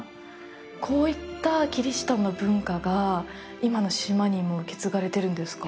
こういったキリシタンの文化が今の島にも受け継がれているんですか。